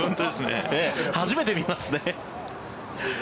初めて見ますね。